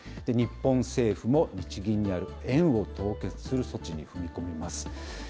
日本政府も日銀にある円を凍結する措置に踏み込みます。